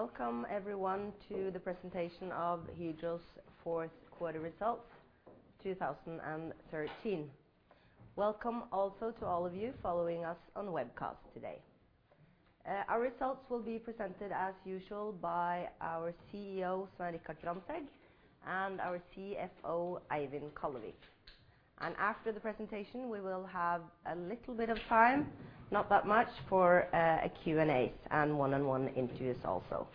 Welcome everyone to the presentation of Hydro's Q4 results, 2013. Welcome also to all of you following us on webcast today. Our results will be presented as usual by our CEO, Svein Richard Brandtzæg, and our CFO, Eivind Kallevik. After the presentation, we will have a little bit of time, not that much, for a Q&A and one-on-one interviews also.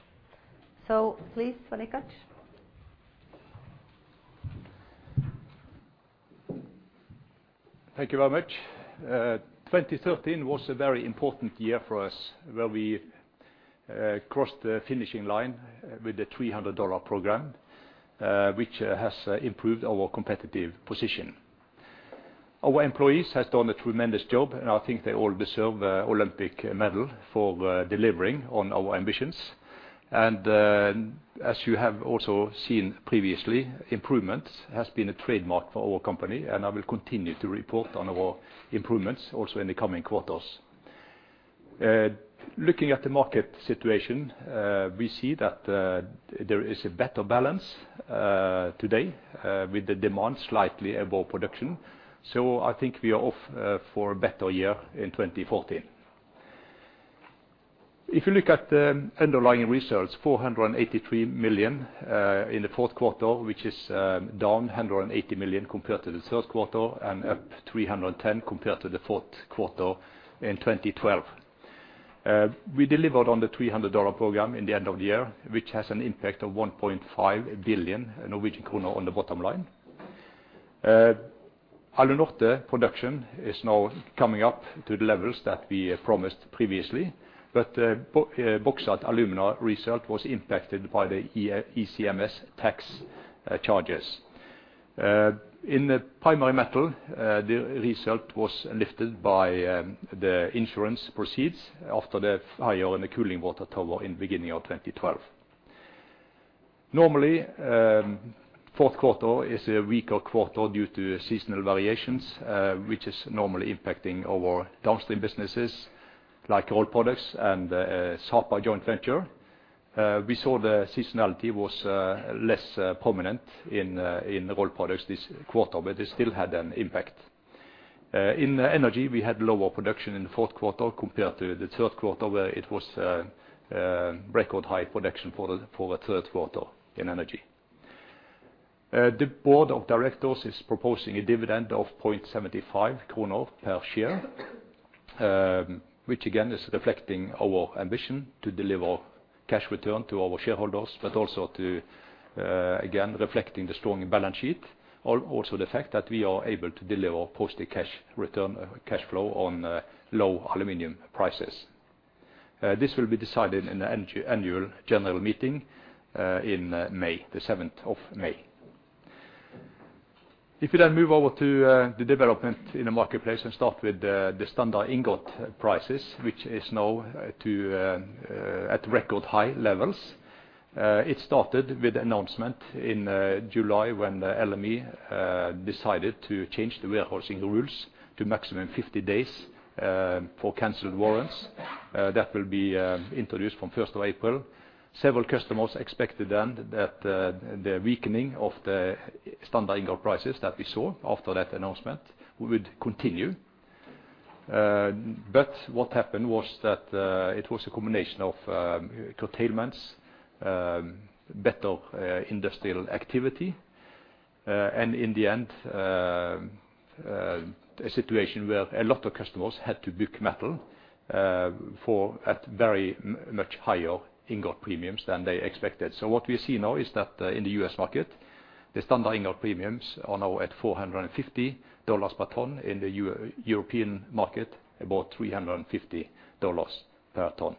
Please, Svein Richard. Thank you very much. 2013 was a very important year for us, where we crossed the finishing line with the $300 program, which has improved our competitive position. Our employees has done a tremendous job, and I think they all deserve an Olympic medal for delivering on our ambitions. As you have also seen previously, improvements has been a trademark for our company, and I will continue to report on our improvements also in the coming quarters. Looking at the market situation, we see that there is a better balance today with the demand slightly above production. I think we are off for a better year in 2014. If you look at the underlying results, 483 million in the Q4, which is down 180 million compared to the Q3, and up 310 million compared to the Q4in 2012. We delivered on the $300 Program in the end of the year, which has an impact of 1.5 billion Norwegian kroner on the bottom line. Alunorte production is now coming up to the levels that we promised previously. Bauxite & Alumina result was impacted by the ICMS tax charges. In the Primary Metal, the result was lifted by the insurance proceeds after the fire in the cooling water tower in the beginning of 2012. Normally, Q4 is a weaker quarter due to seasonal variations, which is normally impacting our downstream businesses like Rolled Products and Sapa joint venture. We saw the seasonality was less prominent in the Rolled Products this quarter, but they still had an impact. In energy, we had lower production in the Q4 compared to the Q3, where it was record high production for the Q3 in energy. The board of directors is proposing a dividend of 0.75 kroner per share, which again is reflecting our ambition to deliver cash return to our shareholders, but also to again reflecting the strong balance sheet. Also the fact that we are able to deliver positive cash return, cash flow on low aluminum prices. This will be decided in the annual general meeting in May, the seventh of May. If you then move over to the development in the marketplace and start with the standard ingot premiums, which are now too at record high levels. It started with an announcement in July when LME decided to change the warehousing rules to maximum 50 days for canceled warrants that will be introduced from first of April. Several customers expected then that the weakening of the standard ingot premiums that we saw after that announcement would continue. What happened was that it was a combination of curtailments, better industrial activity, and in the end a situation where a lot of customers had to book metal for at very much higher ingot premiums than they expected. What we see now is that in the U.S. market, the standard ingot premiums are now at $450 per ton. In the European market, about $350 per ton.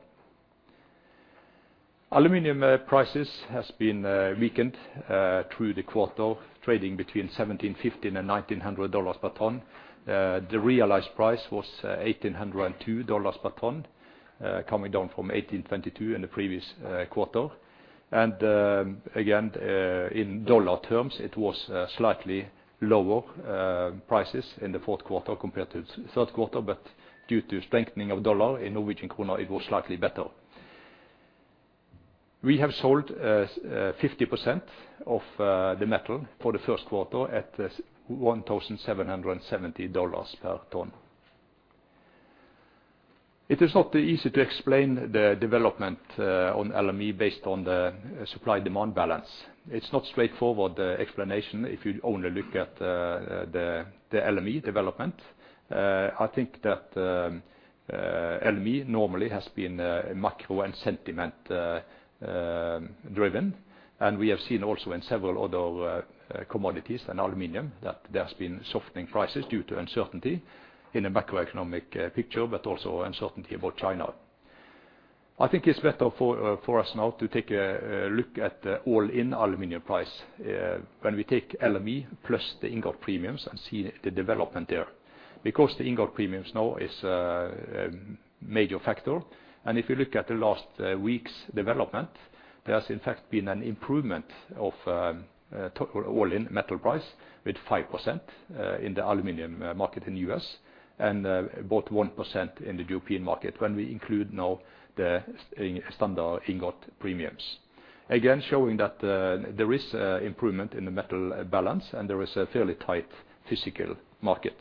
Aluminum prices has been weakened through the quarter, trading between $1,715 and $1,900 per ton. The realized price was $1,802 per ton, coming down from $1,822 in the previous quarter. Again, in dollar terms, it was slightly lower prices in the Q4 compared to Q3. Due to strengthening of dollar in Norwegian kroner, it was slightly better. We have sold 50% of the metal for the Q1 at this $1,770 per ton. It is not easy to explain the development on LME based on the supply-demand balance. It's not straightforward, the explanation, if you only look at the LME development. I think that LME normally has been macro and sentiment driven. We have seen also in several other commodities than aluminum that there's been softening prices due to uncertainty in the macroeconomic picture, but also uncertainty about China. I think it's better for us now to take a look at the all-in aluminum price when we take LME plus the ingot premiums and see the development there. Because the ingot premiums now is a major factor. If you look at the last week's development, there has in fact been an improvement of the all-in metal price with 5% in the aluminum market in the U.S. and about 1% in the European market when we include now the standard ingot premiums. Again, showing that there is improvement in the metal balance, and there is a fairly tight physical market.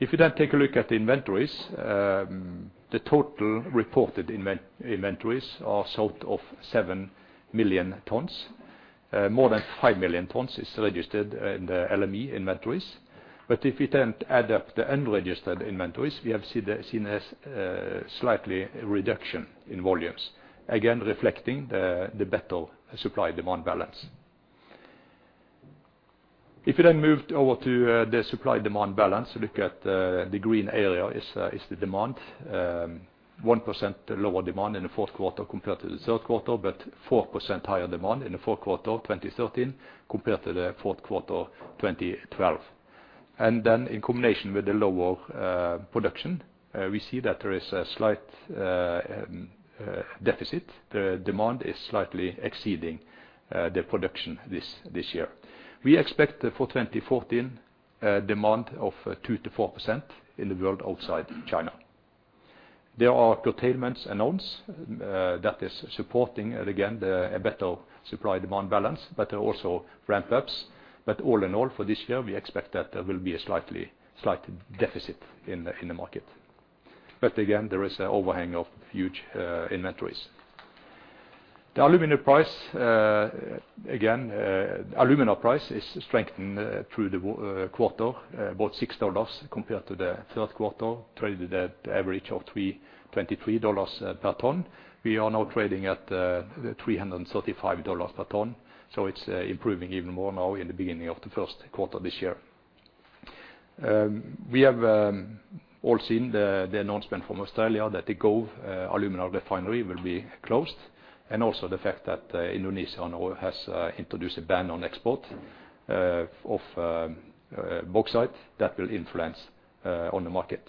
If you then take a look at inventories, the total reported inventories are south of 7 million tons. More than 5 million tons is registered in the LME inventories. If you then add up the unregistered inventories, we have seen a slight reduction in volumes, again reflecting the better supply-demand balance. If you then moved over to the supply-demand balance, look at the green area is the demand. 1% lower demand in the Q4 compared to the Q3, but 4% higher demand in the Q4 of 2013 compared to the Q4 of 2012. In combination with the lower production, we see that there is a slight deficit. The demand is slightly exceeding the production this year. We expect for 2014 demand of 2%-4% in the world outside China. There are curtailments announced that is supporting, again, a better supply-demand balance, but also ramp ups. All in all, for this year, we expect that there will be a slight deficit in the market. Again, there is an overhang of huge inventories. The alumina price is strengthened through the quarter, about $6 compared to the Q3, traded at average of $323 per ton. We are now trading at $335 per ton. It's improving even more now in the beginning of the Q1 this year. We have all seen the announcement from Australia that the Gove Alumina Refinery will be closed, and also the fact that Indonesia now has introduced a ban on export of bauxite that will influence on the market.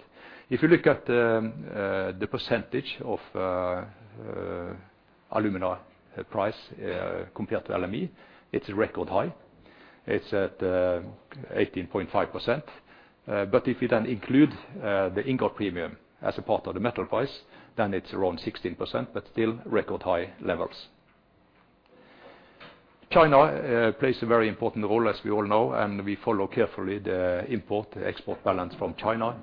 If you look at the percentage of alumina price compared to LME, it's record high. It's at 18.5%. But if you then include the ingot premium as a part of the metal price, then it's around 16%, but still record-high levels. China plays a very important role, as we all know, and we follow carefully the import-export balance from China.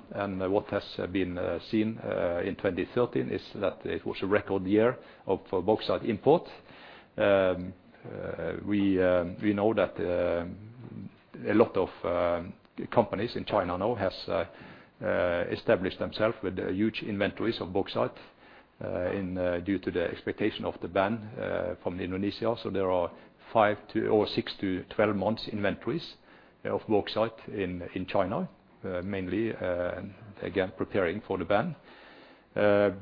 What has been seen in 2013 is that it was a record year of bauxite import. We know that a lot of companies in China now has established themselves with huge inventories of bauxite due to the expectation of the ban from Indonesia. There are 5 or 6 to 12 months inventories of bauxite in China, mainly again preparing for the ban.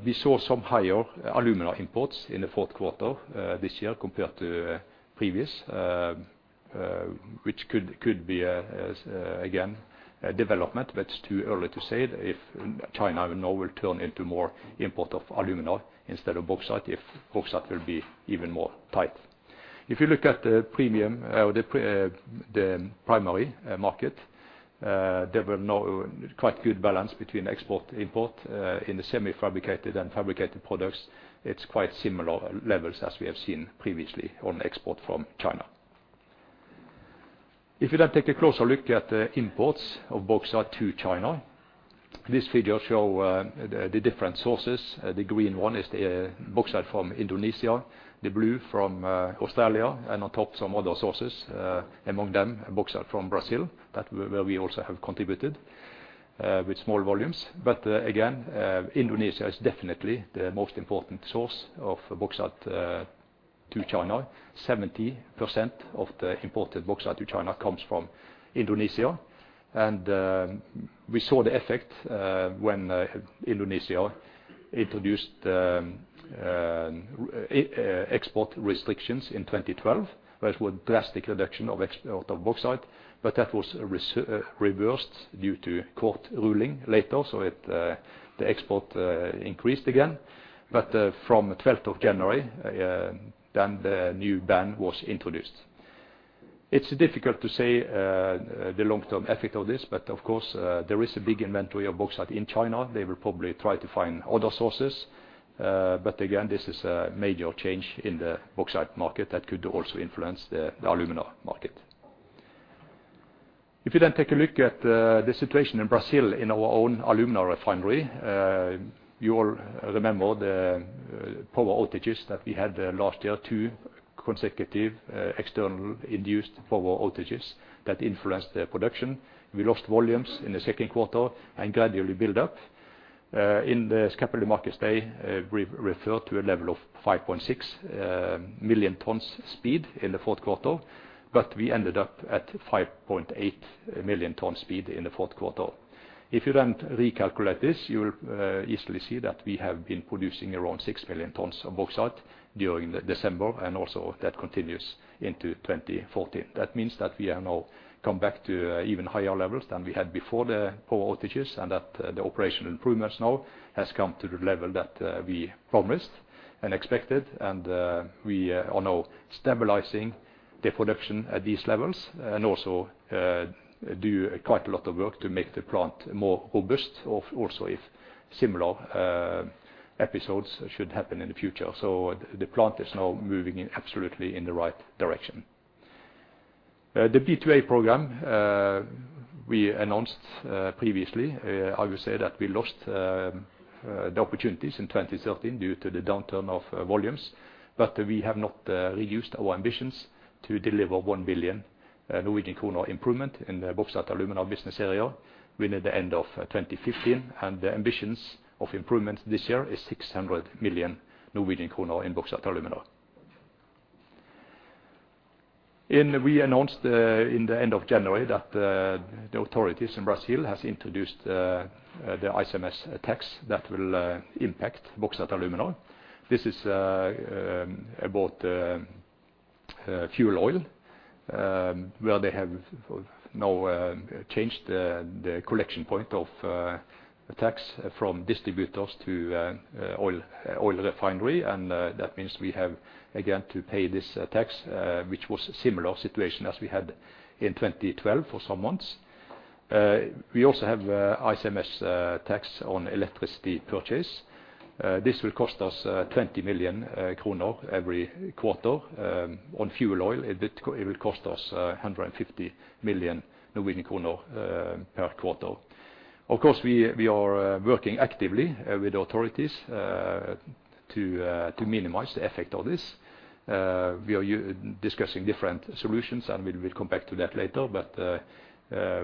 We saw some higher alumina imports in the Q4 this year compared to previous, which could be again a development, but it's too early to say if China now will turn into more import of alumina instead of bauxite, if bauxite will be even more tight. If you look at the premium, the primary market, there were no quite good balance between export import in the semi-fabricated and fabricated products. It's quite similar levels as we have seen previously on export from China. If you then take a closer look at the imports of bauxite to China, this figure show the different sources. The green one is the bauxite from Indonesia, the blue from Australia, and on top some other sources, among them, bauxite from Brazil, that where we also have contributed with small volumes. Again, Indonesia is definitely the most important source of bauxite to China. 70% of the imported bauxite to China comes from Indonesia. We saw the effect when Indonesia introduced export restrictions in 2012. That was drastic reduction of the bauxite, but that was reversed due to court ruling later. It the export increased again. From twelfth of January, then the new ban was introduced. It's difficult to say the long-term effect of this, but of course, there is a big inventory of bauxite in China. They will probably try to find other sources. This is a major change in the bauxite market that could also influence the alumina market. If you take a look at the situation in Brazil in our own alumina refinery, you all remember the power outages that we had last year, two consecutive external induced power outages that influenced the production. We lost volumes in the Q2 and gradually build up. In the Capital Markets Day, we refer to a level of 5.6 million tons speed in the Q4, but we ended up at 5.8 million ton speed in the Q4. If you recalculate this, you'll easily see that we have been producing around 6 million tons of bauxite during December, and also that continues into 2014. That means that we have now come back to even higher levels than we had before the power outages, and that the operational improvements now has come to the level that we promised and expected. We are now stabilizing the production at these levels and also do quite a lot of work to make the plant more robust also if similar episodes should happen in the future. The plant is now moving in absolutely in the right direction. The B&A program we announced previously, I would say that we lost the opportunities in 2013 due to the downturn of volumes. We have not reduced our ambitions to deliver 1 billion Norwegian kroner improvement in the Bauxite & Alumina business area within the end of 2015. The ambitions of improvements this year is 600 million Norwegian kroner in Bauxite & Alumina. We announced in the end of January that the authorities in Brazil has introduced the ICMS tax that will impact Bauxite & Alumina. This is about fuel oil, where they have now changed the collection point of the tax from distributors to oil refinery. That means we have again to pay this tax, which was similar situation as we had in 2012 for some months. We also have ICMS tax on electricity purchase. This will cost us 20 million kroner every quarter. On fuel oil it will cost us 150 million Norwegian kroner per quarter. Of course, we are working actively with authorities to minimize the effect of this. We are discussing different solutions, and we will come back to that later.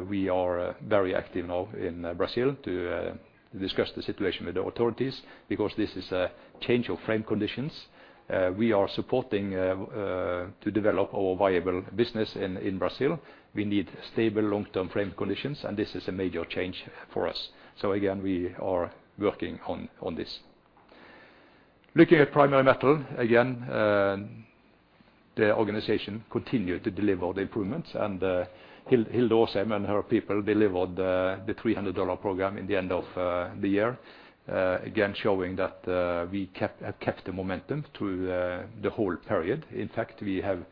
We are very active now in Brazil to discuss the situation with the authorities because this is a change of frame conditions. We are supporting to develop our viable business in Brazil. We need stable long-term frame conditions, and this is a major change for us. We are working on this. Looking at Primary Metal, again, the organization continued to deliver the improvements. Hilde Aasheim and her people delivered the $300 Program in the end of the year, again showing that we have kept the momentum through the whole period. In fact, we have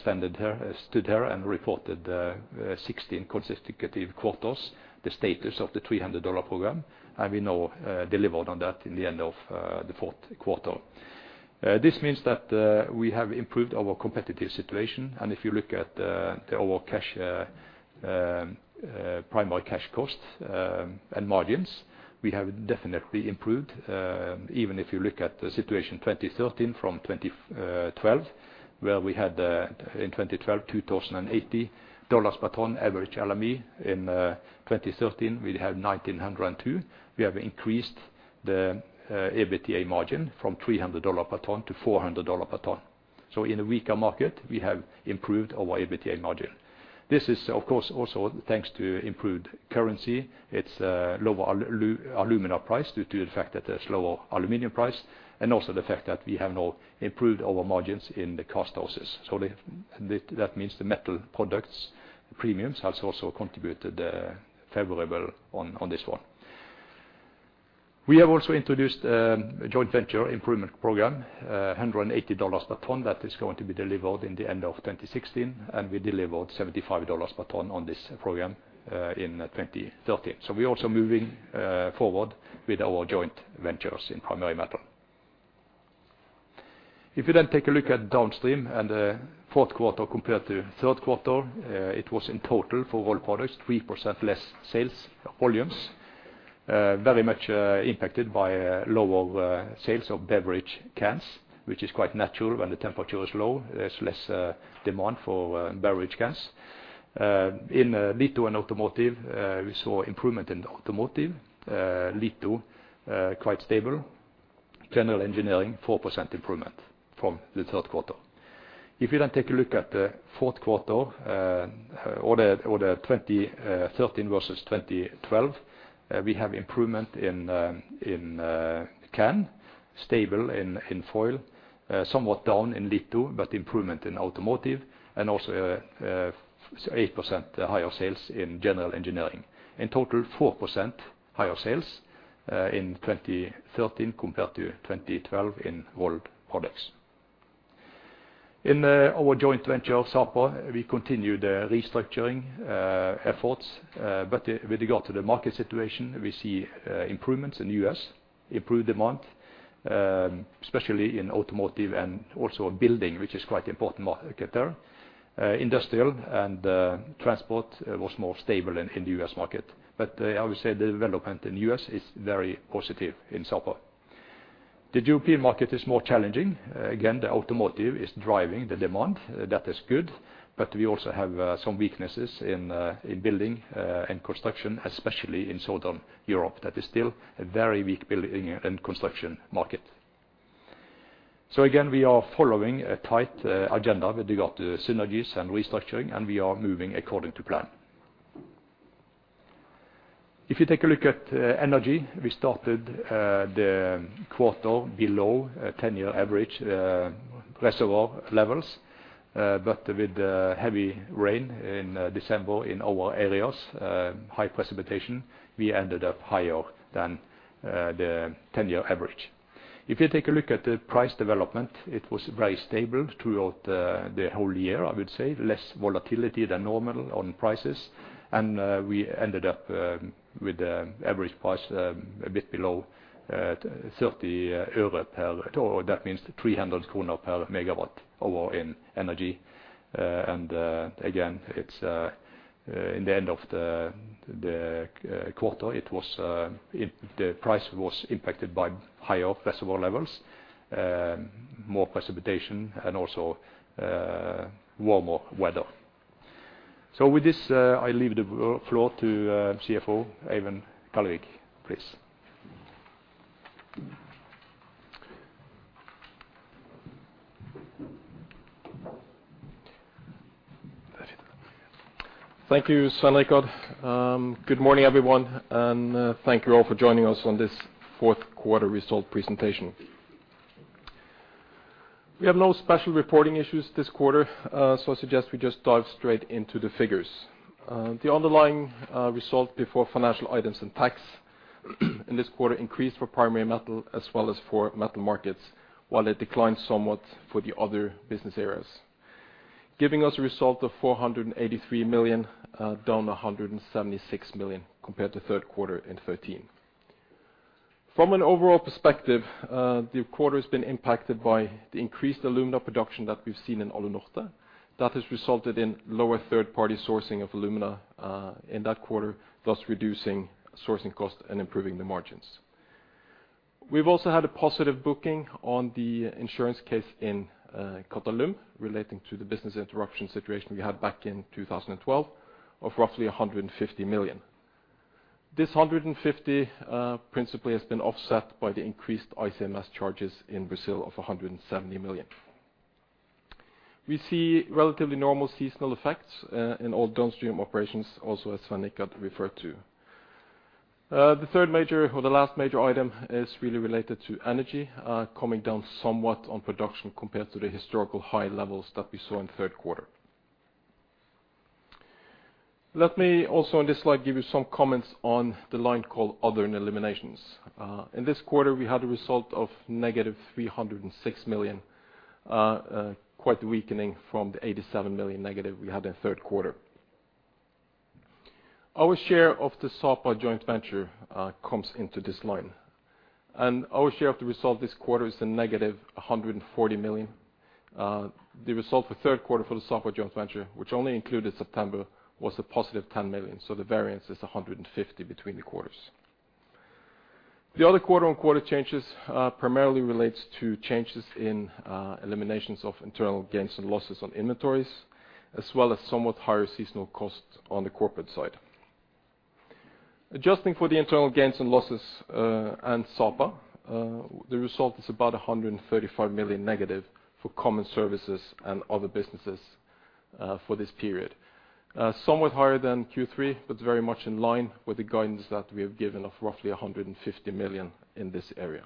stood here and reported 16 consecutive quarters the status of the $300 Program, and we now delivered on that in the end of the Q4. This means that we have improved our competitive situation. If you look at our cash primary cash costs and margins, we have definitely improved. Even if you look at the situation 2013 from 2012, where we had in 2012, $2,080 per ton average LME. In 2013, we had $1,902. We have increased the EBITDA margin from $300 per ton to $400 per ton. In a weaker market, we have improved our EBITDA margin. This is of course also thanks to improved currency. It's lower alumina price due to the fact that there's lower aluminum price, and also the fact that we have now improved our margins in the cast houses. That means the metal products premiums has also contributed favorable on this one. We have also introduced a joint venture improvement program, $180 per ton. That is going to be delivered in the end of 2016. We delivered $75 per ton on this program in 2013. We're also moving forward with our joint ventures in Primary Metal. If you then take a look at Downstream and Q4 compared to Q3, it was in total for all products, 3% less sales volumes. Very much impacted by lower sales of beverage cans, which is quite natural when the temperature is low, there's less demand for beverage cans. In litho and automotive, we saw improvement in automotive. Litho quite stable. General engineering, 4% improvement from the Q3. If you then take a look at the Q4, or the 2013 versus 2012, we have improvement in can. Stable in foil. Somewhat down in litho, but improvement in automotive. Also, 8% higher sales in general engineering. In total, 4% higher sales in 2013 compared to 2012 in Rolled Products. In our joint venture, Sapa, we continue the restructuring efforts. With regard to the market situation, we see improvements in U.S. Improved demand, especially in automotive and also building, which is quite important market there. Industrial and transport was more stable in the U.S. market. I would say the development in U.S. is very positive in Sapa. The European market is more challenging. Again, the automotive is driving the demand. That is good, but we also have some weaknesses in building and construction, especially in Southern Europe. That is still a very weak building and construction market. Again, we are following a tight agenda with regard to synergies and restructuring, and we are moving according to plan. If you take a look at energy, we started the quarter below a 10-year average reservoir levels. With the heavy rain in December in our areas, high precipitation, we ended up higher than the 10-year average. If you take a look at the price development, it was very stable throughout the whole year, I would say. Less volatility than normal on prices. We ended up with the average price a bit below 30 euro per ton. That means 300 kroner per MWh in energy. Again, it's in the end of the quarter, the price was impacted by higher reservoir levels, more precipitation, and also warmer weather. With this, I leave the floor to CFO Eivind Kallevik, please. Thank you, Svein Richard Brandtzæg. Good morning, everyone, and thank you all for joining us on this Q4 result presentation. We have no special reporting issues this quarter, so I suggest we just dive straight into the figures. The underlying result before financial items and tax in this quarter increased for Primary Metal as well as for Metal Markets, while it declined somewhat for the other business areas, giving us a result of 483 million, down 176 million compared to Q4 in 2013. From an overall perspective, the quarter has been impacted by the increased alumina production that we've seen in Alunorte. That has resulted in lower third-party sourcing of alumina in that quarter, thus reducing sourcing costs and improving the margins. We've also had a positive booking on the insurance case in Qatalum relating to the business interruption situation we had back in 2012 of roughly 150 million. This 150 million principally has been offset by the increased ICMS charges in Brazil of 170 million. We see relatively normal seasonal effects in all downstream operations also, as Svein Richard Brandtzæg referred to. The third major or the last major item is really related to energy coming down somewhat on production compared to the historical high levels that we saw in the Q3. Let me also on this slide give you some comments on the line called Other and Eliminations. In this quarter, we had a result of negative 306 million, quite the weakening from the negative 87 million we had in the Q3. Our share of the Sapa joint venture comes into this line, and our share of the result this quarter is negative 140 million. The result for the third quarter for the Sapa joint venture, which only included September, was positive 10 million. The variance is 150 million between the quarters. The other quarter-over-quarter changes primarily relates to changes in eliminations of internal gains and losses on inventories, as well as somewhat higher seasonal costs on the corporate side. Adjusting for the internal gains and losses, and Sapa, the result is about 135 million negative for common services and other businesses, for this period. Somewhat higher than Q3, but very much in line with the guidance that we have given of roughly 150 million in this area.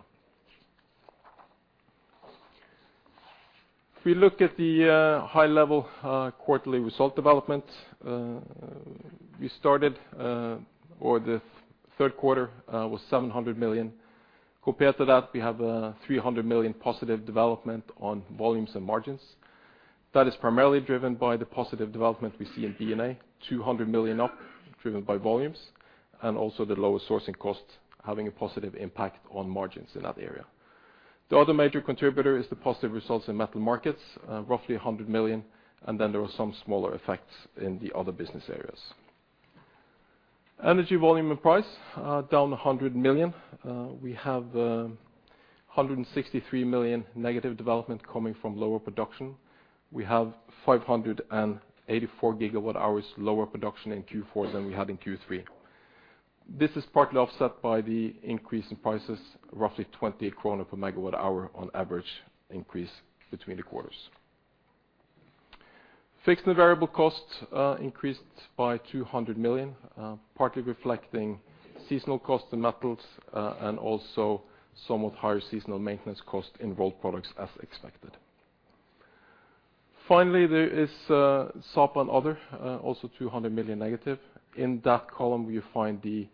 If we look at the high level, quarterly result development, the Q3 was 700 million. Compared to that, we have a 300 million positive development on volumes and margins. That is primarily driven by the positive development we see in B&A, 200 million up driven by volumes, and also the lower sourcing costs having a positive impact on margins in that area. The other major contributor is the positive results in Metal Markets, roughly 100 million, and then there are some smaller effects in the other business areas. Energy volume and price, down 100 million. We have 163 million negative development coming from lower production. We have 584 gigawatt hours lower production in Q4 than we had in Q3. This is partly offset by the increase in prices, roughly 20 krone per megawatt hour on average increase between the quarters. Fixed and variable costs increased by 200 million, partly reflecting seasonal costs in metals, and also somewhat higher seasonal maintenance costs in Rolled Products as expected. Finally, there is Sapa and other, also 200 million negative. In that column, you find the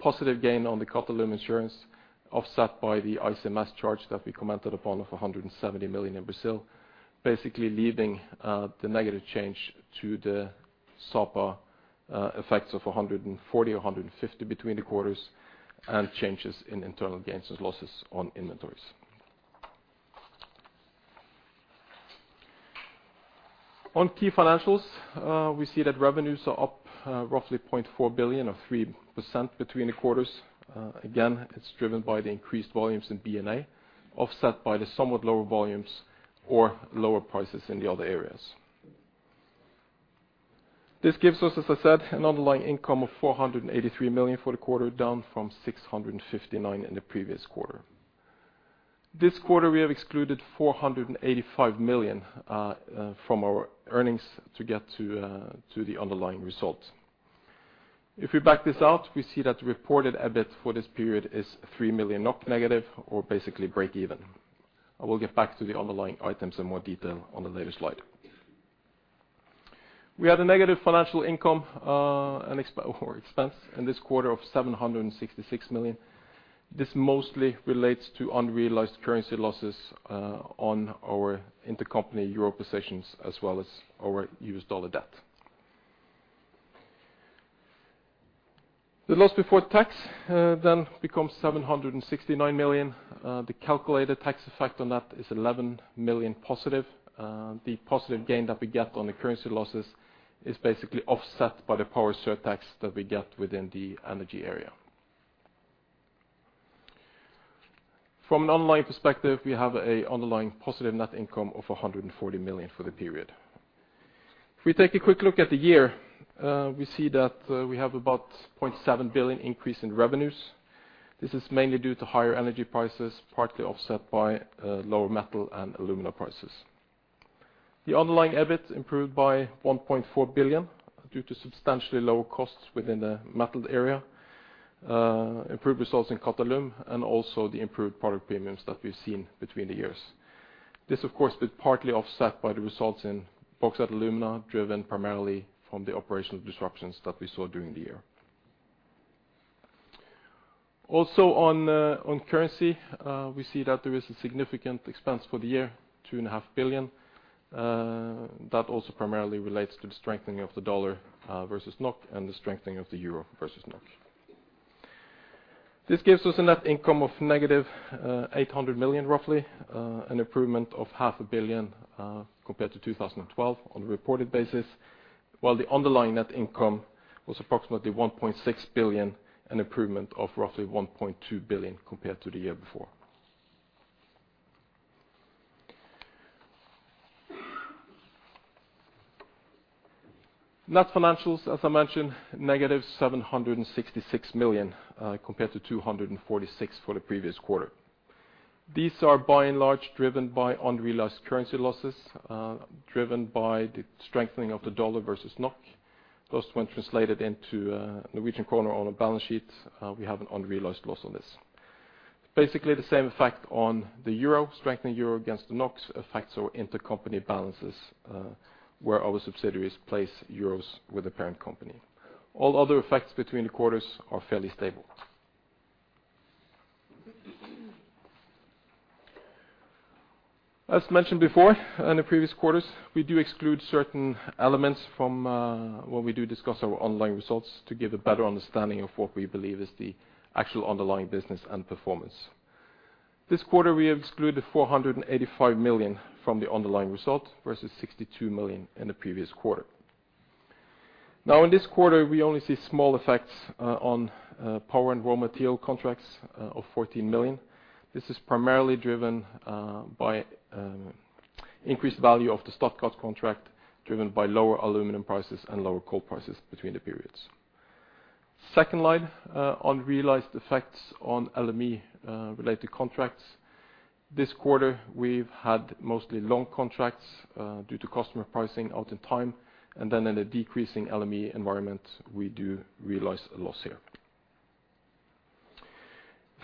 positive gain on the Qatalum insurance offset by the ICMS charge that we commented upon of 170 million in Brazil, basically leaving the negative change to the Sapa effects of 140-150 million between the quarters and changes in internal gains and losses on inventories. On key financials, we see that revenues are up roughly 0.4 billion or 3% between the quarters. Again, it's driven by the increased volumes in B&A, offset by the somewhat lower volumes or lower prices in the other areas. This gives us, as I said, an underlying income of 483 million for the quarter, down from 659 million in the previous quarter. This quarter, we have excluded 485 million from our earnings to get to the underlying result. If we back this out, we see that the reported EBIT for this period is 3 million NOK negative or basically break even. I will get back to the underlying items in more detail on a later slide. We had a negative financial income or expense in this quarter of 766 million. This mostly relates to unrealized currency losses on our intercompany euro positions as well as our US dollar debt. The loss before tax then becomes 769 million. The calculated tax effect on that is 11 million positive. The positive gain that we get on the currency losses is basically offset by the power surtax that we get within the energy area. From an overall perspective, we have an underlying positive net income of 140 million for the period. If we take a quick look at the year, we see that we have about 0.7 billion increase in revenues. This is mainly due to higher energy prices, partly offset by lower metal and alumina prices. The underlying EBIT improved by 1.4 billion due to substantially lower costs within the metal area, improved results in Qatalum, and also the improved product premiums that we've seen between the years. This, of course, was partly offset by the results in Bauxite & Alumina, driven primarily from the operational disruptions that we saw during the year. Also on currency, we see that there is a significant expense for the year, 2.5 billion. That also primarily relates to the strengthening of the US dollar versus NOK and the strengthening of the euro versus NOK. This gives us a net income of negative 800 million, roughly, an improvement of half a billion compared to 2012 on a reported basis, while the underlying net income was approximately 1.6 billion, an improvement of roughly 1.2 billion compared to the year before. Net financials, as I mentioned, negative 766 million compared to 246 million for the previous quarter. These are by and large driven by unrealized currency losses, driven by the strengthening of the US dollar versus NOK. Those when translated into Norwegian kroner on a balance sheet, we have an unrealized loss on this. Basically, the same effect on the euro, strengthening euro against the NOK affects our intercompany balances, where our subsidiaries place euros with the parent company. All other effects between the quarters are fairly stable. As mentioned before in the previous quarters, we do exclude certain elements from when we do discuss our underlying results to give a better understanding of what we believe is the actual underlying business and performance. This quarter, we have excluded 485 million from the underlying result, versus 62 million in the previous quarter. Now in this quarter, we only see small effects on power and raw material contracts of 14 million. This is primarily driven by increased value of the stocost contract, driven by lower aluminum prices and lower coal prices between the periods. Second line, unrealized effects on LME related contracts. This quarter, we've had mostly long contracts due to customer pricing out in time, and then in a decreasing LME environment, we do realize a loss here.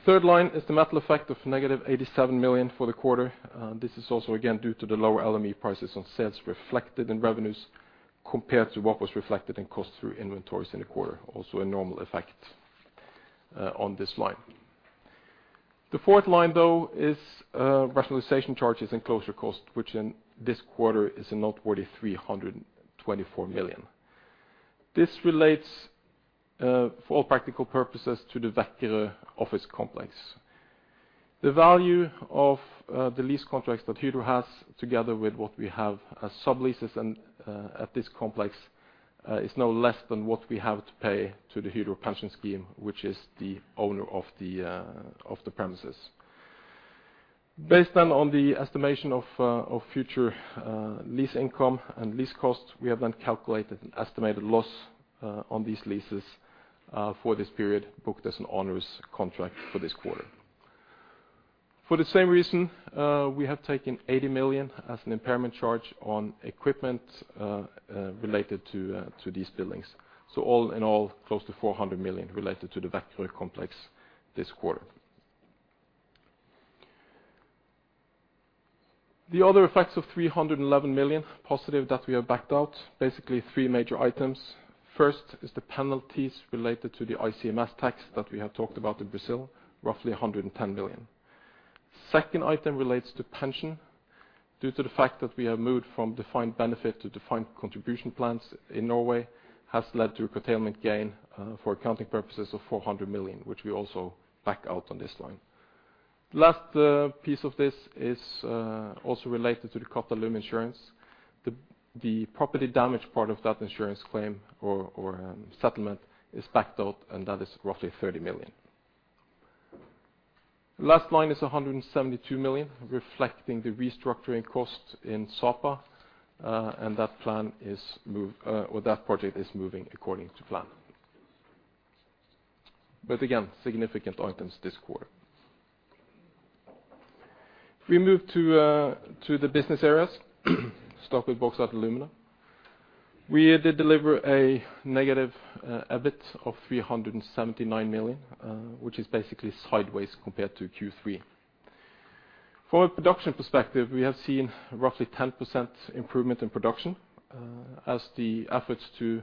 Third line is the metal effect of -87 million for the quarter. This is also again due to the lower LME prices on sales reflected in revenues compared to what was reflected in cost through inventories in the quarter. Also a normal effect on this line. The fourth line, though, is rationalization charges and closure costs, which in this quarter is a noteworthy 324 million. This relates for all practical purposes to the Vækerø office complex. The value of the lease contracts that Hydro has together with what we have as subleases and at this complex is no less than what we have to pay to the Hydro pension scheme, which is the owner of the premises. Based on the estimation of future lease income and lease costs, we have then calculated an estimated loss on these leases for this period, booked as an onerous contract for this quarter. For the same reason, we have taken 80 million as an impairment charge on equipment related to these buildings. All in all, close to 400 million related to the Vækerø complex this quarter. The other effects of 311 million positive that we have backed out, basically three major items. First is the penalties related to the ICMS tax that we have talked about in Brazil, roughly 110 million. Second item relates to pension. Due to the fact that we have moved from defined benefit to defined contribution plans in Norway has led to a curtailment gain for accounting purposes of 400 million, which we also back out on this line. The last piece of this is also related to the Qatalum insurance. The property damage part of that insurance claim or settlement is backed out, and that is roughly 30 million. Last line is 172 million, reflecting the restructuring cost in Sapa. That project is moving according to plan. Again, significant items this quarter. If we move to the business areas, start with Bauxite & Alumina. We did deliver a negative 379 million EBIT, which is basically sideways compared to Q3. From a production perspective, we have seen roughly 10% improvement in production, as the efforts to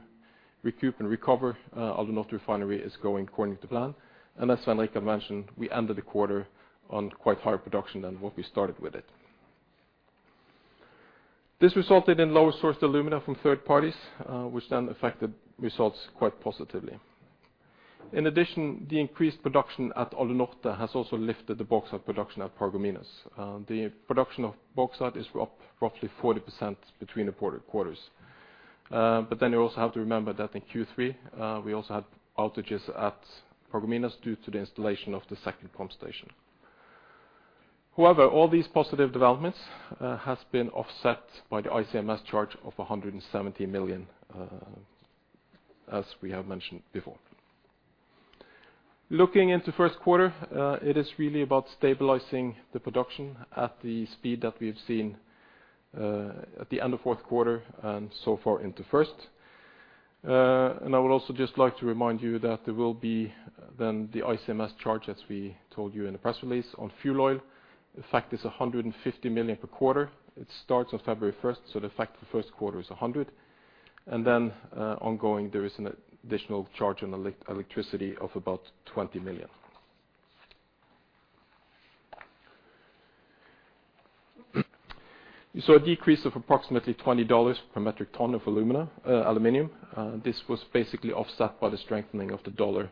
recoup and recover Alunorte refinery is going according to plan. As Svein-Richard mentioned, we ended the quarter on quite higher production than what we started with it. This resulted in lower sourced alumina from third parties, which then affected results quite positively. In addition, the increased production at Alunorte has also lifted the bauxite production at Paragominas. The production of bauxite is up roughly 40% between the quarter, quarters. You also have to remember that in Q3, we also had outages at Paragominas due to the installation of the second pump station. However, all these positive developments has been offset by the ICMS charge of 170 million, as we have mentioned before. Looking into first quarter, it is really about stabilizing the production at the speed that we've seen, at the end of fourth quarter and so far into first. I would also just like to remind you that there will be the ICMS charge, as we told you in the press release on fuel oil. The effect is 150 million per quarter. It starts on February 1, so the effect of the first quarter is 100. Ongoing, there is an additional charge on electricity of about 20 million. You saw a decrease of approximately $20 per metric ton of alumina, aluminum. This was basically offset by the strengthening of the dollar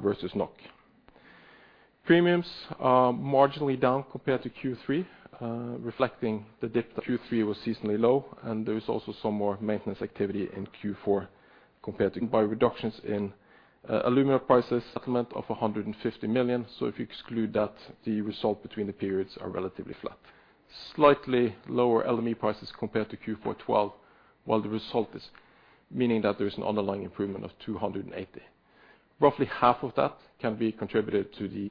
versus NOK. Premiums are marginally down compared to Q3, reflecting the dip that Q3 was seasonally low, and there was also some more maintenance activity in Q4 compared to reductions in alumina prices. Settlement of 150 million. So if you exclude that, the result between the periods are relatively flat. Slightly lower LME prices compared to Q4 2012, while the result is meaning that there is an underlying improvement of 280 million. Roughly half of that can be contributed to the.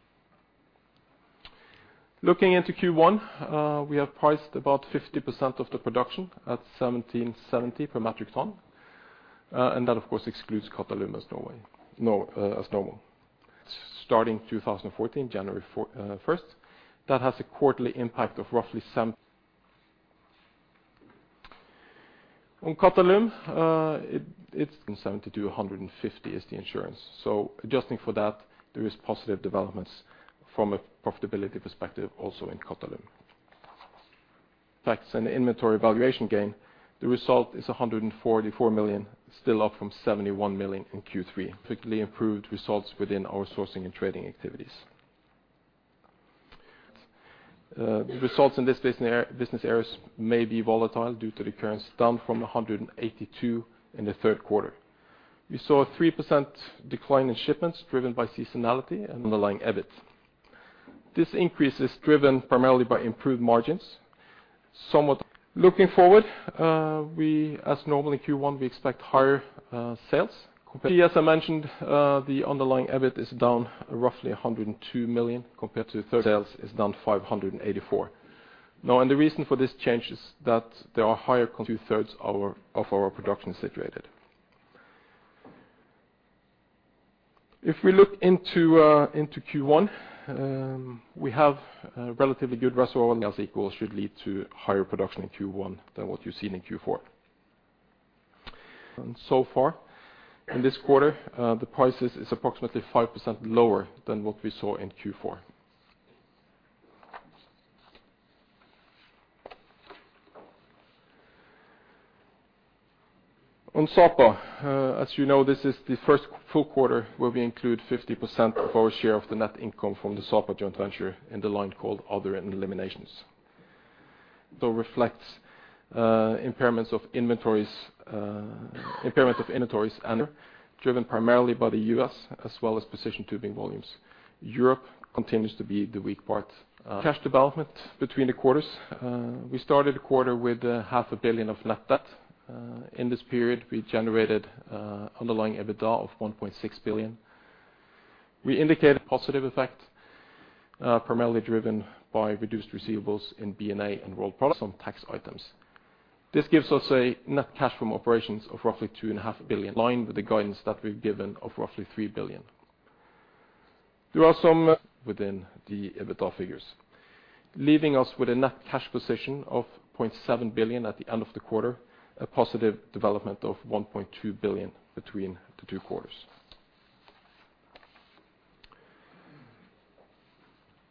Looking into Q1, we have priced about 50% of the production at $1,770 per metric ton. And that of course excludes Qatalum as Norway, Nor, as normal. Starting 2014, January first. That has a quarterly impact of roughly seven. On Qatalum, it's from 70 to 150 is the insurance. Adjusting for that, there is positive developments from a profitability perspective also in Qatalum. FX and inventory valuation gain, the result is 144 million, still up from 71 million in Q3. Quickly improved results within our sourcing and trading activities. Results in this business areas may be volatile due to the current situation from 182 million in the Q3. We saw a 3% decline in shipments driven by seasonality and underlying EBIT. This increase is driven primarily by improved margins. Looking forward, we, as normal in Q1, we expect higher sales compared. As I mentioned, the underlying EBIT is down roughly 102 million compared to third. Sales is down 584 million. Two-thirds of our production is situated. If we look into Q1, we have a relatively good reservoir levels should lead to higher production in Q1 than what you've seen in Q4. So far in this quarter, the prices is approximately 5% lower than what we saw in Q4. On Sapa, as you know, this is the first full quarter where we include 50% of our share of the net income from the Sapa joint venture in the line called Other and Eliminations. This reflects impairment of inventories driven primarily by the U.S. as well as precision tubing volumes. Europe continues to be the weak part. Cash development between the quarters. We started the quarter with half a billion NOK of net debt. In this period, we generated underlying EBITDA of 1.6 billion. We indicate a positive effect primarily driven by reduced receivables in B&A and Rolled Products and tax items. This gives us a net cash from operations of roughly two and a half billion NOK, in line with the guidance that we've given of roughly 3 billion. There are some within the EBITDA figures. Leaving us with a net cash position of 0.7 billion at the end of the quarter, a positive development of 1.2 billion between the Q2.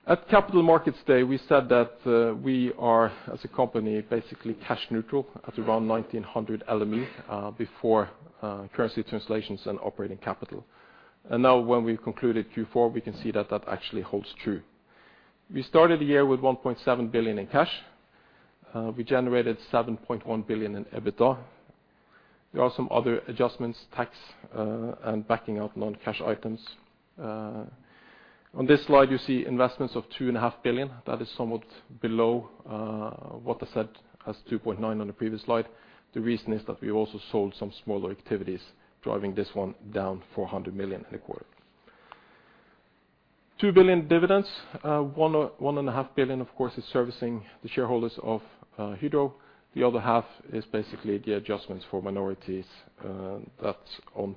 At Capital Markets Day, we said that we are as a company basically cash neutral at around $1,900 LME before currency translations and operating capital. Now when we've concluded Q4, we can see that that actually holds true. We started the year with 1.7 billion in cash. We generated 7.1 billion in EBITDA. There are some other adjustments, tax, and backing up non-cash items. On this slide, you see investments of 2.5 billion. That is somewhat below what I said as 2.9 on the previous slide. The reason is that we also sold some smaller activities driving this one down 400 million in the quarter. 2 billion dividends, 1.5 billion, of course, is servicing the shareholders of Hydro. The other half is basically the adjustments for minorities, that's on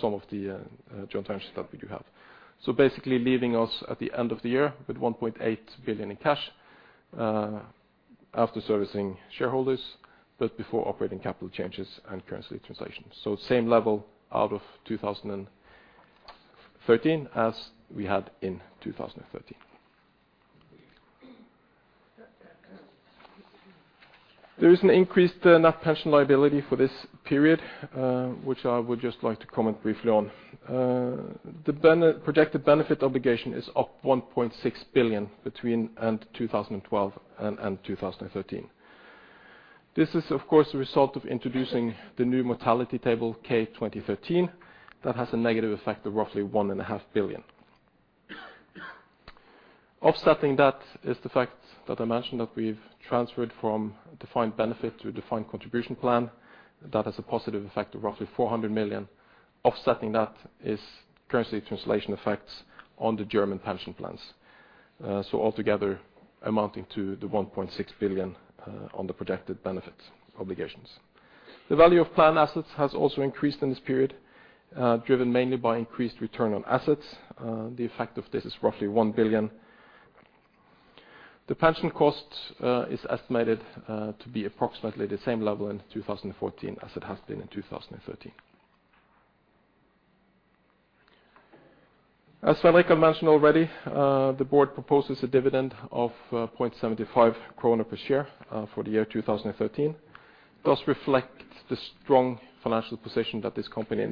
some of the joint ventures that we do have. Basically leaving us at the end of the year with 1.8 billion in cash, after servicing shareholders, but before operating capital changes and currency translations. Same level as of 2013 as we had in 2013. There is an increased net pension liability for this period, which I would just like to comment briefly on. The projected benefit obligation is up 1.6 billion between 2012 and 2013. This is, of course, the result of introducing the new mortality table K2013, that has a negative effect of roughly 1.5 billion. Offsetting that is the fact that I mentioned that we've transferred from defined benefit to defined contribution plan. That has a positive effect of roughly 400 million. Offsetting that is currency translation effects on the German pension plans. So altogether amounting to 1.6 billion on the projected benefit obligations. The value of plan assets has also increased in this period, driven mainly by increased return on assets. The effect of this is roughly 1 billion. The pension cost is estimated to be approximately the same level in 2014 as it has been in 2013. As Svein Richard Brandtzæg mentioned already, the board proposes a dividend of 0.75 kroner per share for the year 2013. It does reflect the strong financial position that this company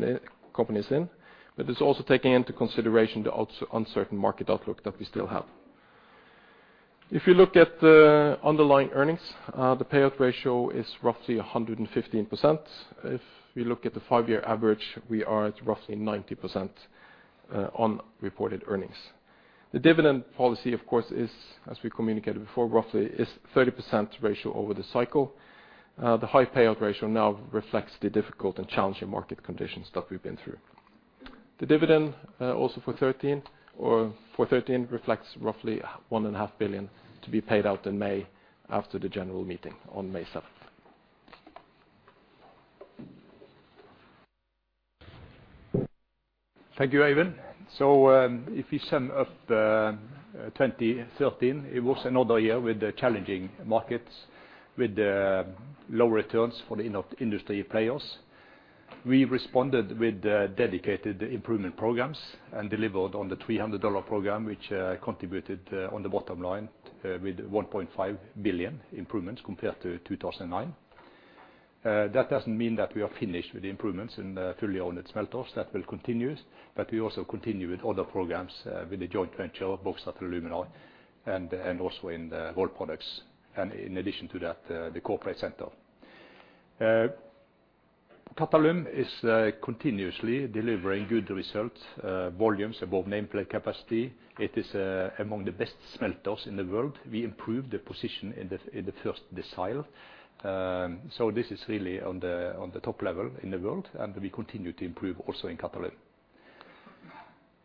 is in, but it's also taking into consideration the also uncertain market outlook that we still have. If you look at the underlying earnings, the payout ratio is roughly 115%. If we look at the five-year average, we are at roughly 90%, on reported earnings. The dividend policy, of course, is, as we communicated before, roughly 30% ratio over the cycle. The high payout ratio now reflects the difficult and challenging market conditions that we've been through. The dividend, also for 2013 reflects roughly 1.5 billion to be paid out in May after the general meeting on May 7. Thank you, Eivind. If you sum up, 2013, it was another year with the challenging markets, with the low returns for the industry players. We responded with the dedicated improvement programs and delivered on the $300 program, which contributed on the bottom line with 1.5 billion improvements compared to 2009. That doesn't mean that we are finished with the improvements in the fully owned smelters. That will continue. We also continue with other programs with the joint venture, B&A, Bauxite & Alumina, and also in the Rolled Products. In addition to that, the corporate center. Qatalum is continuously delivering good results, volumes above nameplate capacity. It is among the best smelters in the world. We improved the position in the first decile. This is really on the top level in the world, and we continue to improve also in Qatalum.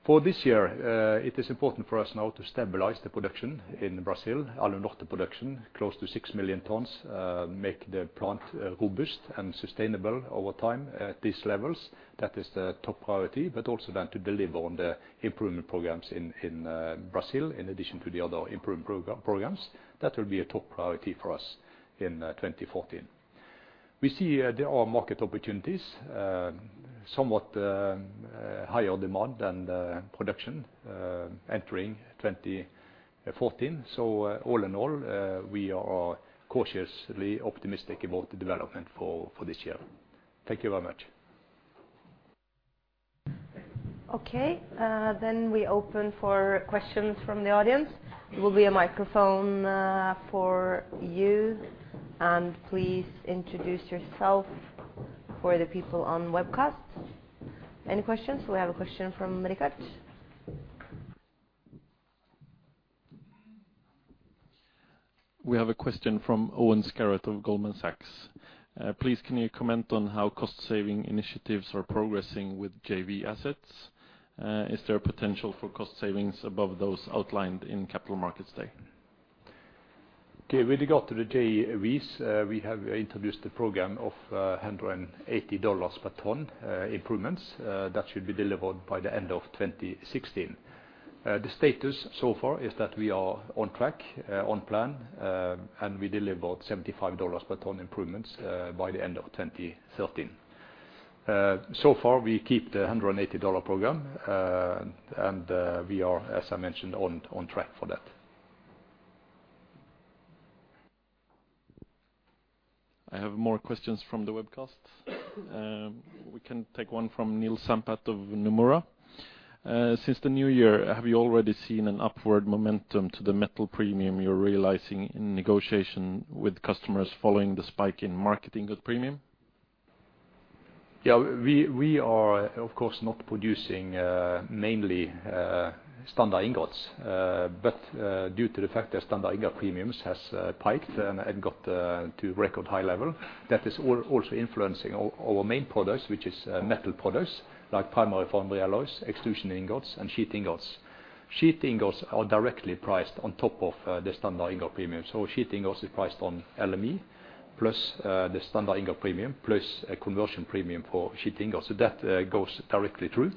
For this year, it is important for us now to stabilize the production in Brazil. Alunorte production close to 6 million tons, make the plant robust and sustainable over time at these levels. That is the top priority, but also then to deliver on the improvement programs in Brazil, in addition to the other improvement programs. That will be a top priority for us in 2014. We see there are market opportunities, somewhat higher demand than production entering 2014. All in all, we are cautiously optimistic about the development for this year. Thank you very much. Okay. We open for questions from the audience. There will be a microphone for you, and please introduce yourself for the people on webcast. Any questions? We have a question from Rickert. We have a question from Owen Scarrott of Goldman Sachs. Please, can you comment on how cost saving initiatives are progressing with JV assets? Is there potential for cost savings above those outlined in Capital Markets Day? Okay, with regard to the JVs, we have introduced the program of $180 per ton improvements that should be delivered by the end of 2016. The status so far is that we are on track, on plan, and we delivered $75 per ton improvements by the end of 2013. So far, we keep the $180 program. We are, as I mentioned, on track for that. I have more questions from the webcast. We can take one from Neil Sampat of Nomura. Since the new year, have you already seen an upward momentum to the metal premium you're realizing in negotiation with customers following the spike in market ingot premium? We are, of course, not producing mainly standard ingots. Due to the fact that standard ingot premiums has spiked and got to record high level, that is also influencing our main products, which is metal products, like primary foundry alloys, extrusion ingots, and sheet ingots. Sheet ingots are directly priced on top of the standard ingot premium. Sheet ingot is priced on LME, plus the standard ingot premium, plus a conversion premium for sheet ingot. That goes directly through.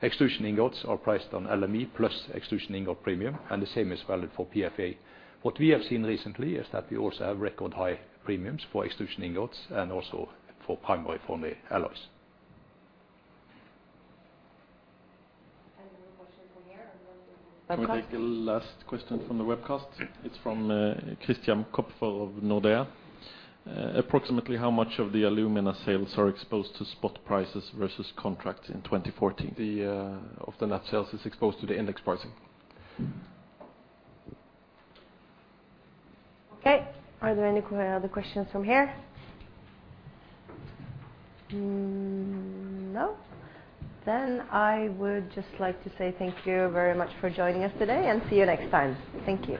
Extrusion ingots are priced on LME, plus extrusion ingot premium, and the same is valid for PFA. What we have seen recently is that we also have record high premiums for extrusion ingots and also for primary foundry alloys. Any more questions from here or do you want to do the webcast? We'll take a last question from the webcast. Okay. It's from Christian Kopfer of Nordea. Approximately how much of the alumina sales are exposed to spot prices versus contracts in 2014? The of the net sales is exposed to the index pricing. Okay. Are there any other questions from here? No? I would just like to say thank you very much for joining us today and see you next time. Thank you.